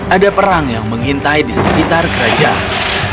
ada perang yang mengintai di sekitar kerajaan